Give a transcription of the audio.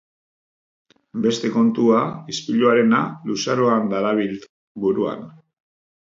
Beste kontua, ispiluarena, luzaroan darabilt buruan.